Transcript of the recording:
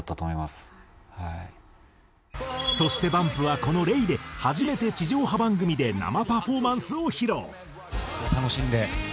そしてＢＵＭＰはこの『ｒａｙ』で初めて地上波番組で生パフォーマンスを披露。